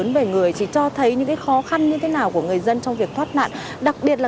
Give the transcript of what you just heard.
về người thì cho thấy những khó khăn như thế nào của người dân trong việc thoát nạn đặc biệt là